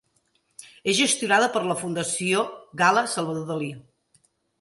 És gestionada per la Fundació Gala-Salvador Dalí.